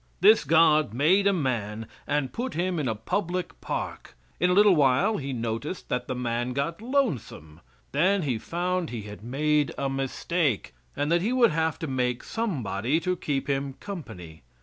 This God made a man and put him in a public park. In a little while He noticed that the man got lonesome; then He found He had made a mistake, and that He would have to make somebody to keep him company.